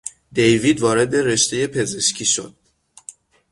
دیوید وارد رشتهی پزشکی شد.